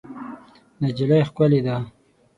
نجلۍ ښکلې ده.